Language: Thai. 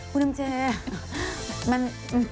คุณเอ็มเจมัน